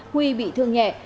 huy bị thương nhẹ